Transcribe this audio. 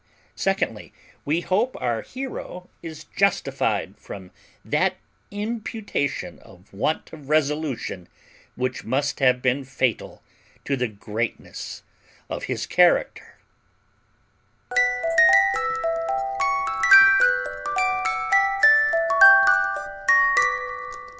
Secondly, we hope our hero is justified from that imputation of want of resolution which must have been fatal to the greatness of his character.